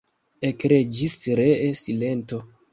Ekreĝis ree silento.